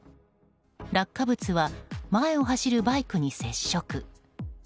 落下物は前を走るバイクに接触。